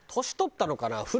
年取ったのかな？